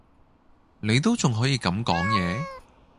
你都仲可以咁講野?